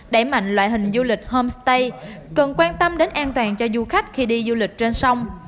đẩy mạnh loại hình du lịch homestay cần quan tâm đến an toàn cho du khách khi đi du lịch trên sông